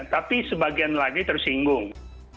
tapi sebagian lagi tersinggung